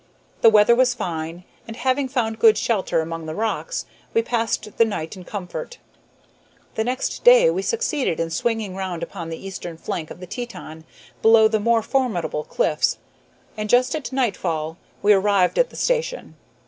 The weather was fine, and, having found good shelter among the rocks, we passed the night in comfort. The next day we succeeded in swinging round upon the eastern flank of the Teton, below the more formidable cliffs, and, just at nightfall, we arrived at the station.